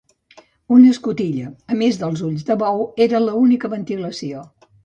Una escotilla, a més dels ulls de bou, era l'única ventilació.